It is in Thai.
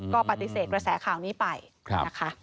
ก็ปฏิเสธกระแสข่าวนี้ไปนะคะ